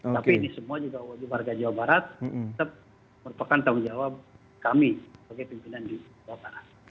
tapi ini semua juga warga jawa barat tetap merupakan tanggung jawab kami sebagai pimpinan di jawa barat